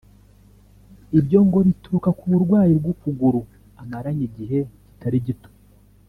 Ibyo ngo bituruka ku burwayi bw’ukuguru amaranye igihe kitari gito